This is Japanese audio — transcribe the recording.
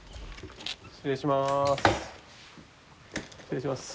失礼します。